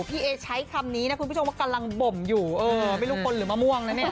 พี่เอใช้คำนี้นะคุณผู้ชมว่ากำลังบ่มอยู่เออไม่รู้คนหรือมะม่วงนะเนี่ย